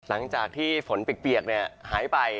หลังจากที่ฝนเปียกหายไป